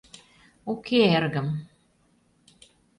— Уке, эргым.